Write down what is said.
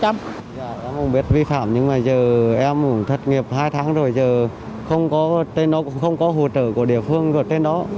em không biết vi phạm nhưng mà giờ em cũng thất nghiệp hai tháng rồi giờ không có hỗ trợ của địa phương của tên đó